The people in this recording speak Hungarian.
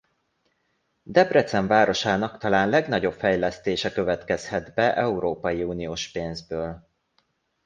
Debrecen városának talán legnagyobb fejlesztése következhet be Európai Unió-s pénzből.